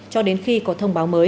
cho đến khi có thông báo mới